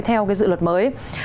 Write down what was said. theo cái dự luật mới